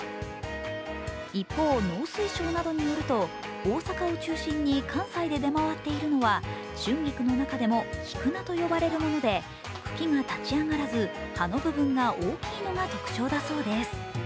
一方、農水省などによると大阪を中心に関西で出回っているのは春菊の中でも菊菜と呼ばれるもので茎が立ち上がらず葉の部分が大きいのが特徴だそうです。